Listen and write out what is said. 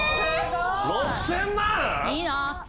！？・いいな。